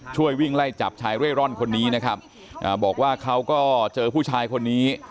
ช่วยวิ่งไล่จับชายเร่ร่อนคนนี้นะครับอ่าบอกว่าเขาก็เจอผู้ชายคนนี้